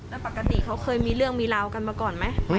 แล้วปกติเขาเคยมีเรื่องมีราวกันมาก่อนไหม